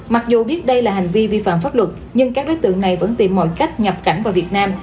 mặc dù biết đây là hành vi vi phạm pháp luật nhưng các đối tượng này vẫn tìm mọi cách nhập cảnh vào việt nam